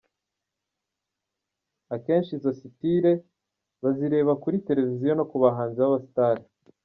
Akenshi izo sitile bazirebera kuri televiziyo no ku bahanzi b’abasitari.